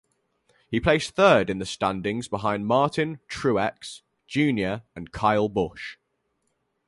He placed third in the standings behind Martin Truex, Junior and Kyle Busch.